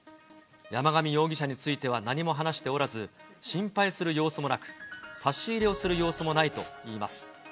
山上容疑者については何も話しておらず、心配する様子もなく、差し入れをする様子もないといいます。